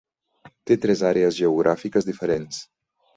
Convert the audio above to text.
Té tres àrees geogràfiques diferents.